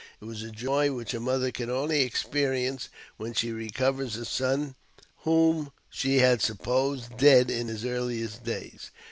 It was a joy which a mother can only experience when she recovers a son whom she had supposed dead in his earliest days.